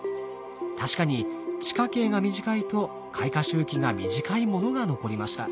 確かに地下茎が短いと開花周期が短いものが残りました。